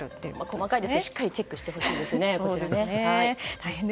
細かいですがしっかりチェックしてほしいですね。